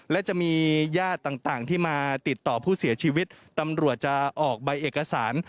และจะมีญาติต่อผู้เสียชีวิตตำรวจจะออกใบเอกสาร